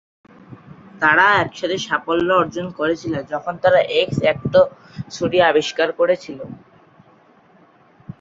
তারা একসাথে সাফল্য অর্জন করেছিল যখন তারা এক্স-অ্যাক্টো ছুরি আবিষ্কার করেছিল।